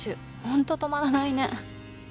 本当止まらないね。